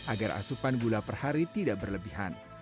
agar asupan gula per hari tidak berlebihan